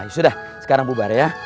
sudah sekarang bubar